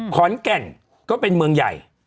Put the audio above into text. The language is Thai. ขอนแก่นก็เป็นเมืองใหญ่